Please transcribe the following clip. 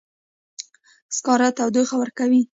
سکاره تودوخه ورکوي